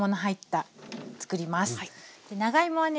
長芋はね